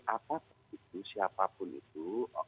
apapun itu siapapun itu